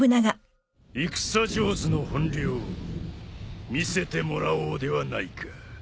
戦上手の本領見せてもらおうではないか。